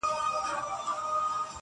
د سورلنډیو انګولا به پښتانه بېروي!